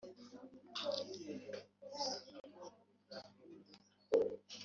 Ariko none bene Data ninza iwanyu mvuga indimi muzanyakira